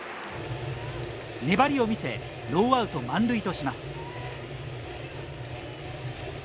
粘りを見せノーアウト満塁とします。